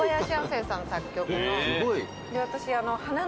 私。